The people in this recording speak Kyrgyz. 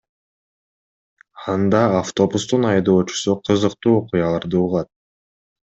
Анда автобустун айдоочусу кызыктуу окуяларды угат.